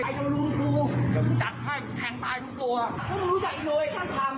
ไข่เจอลุงทุจัดให้แทงตายทุกตัวไม่รู้จักเลยช่างทางไหม